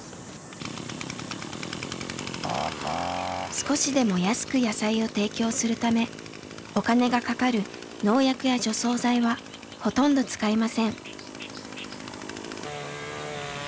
少しでも安く野菜を提供するためお金がかかる農薬や除草剤はほとんど使いません。